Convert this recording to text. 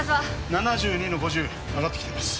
７２の５０上がってきています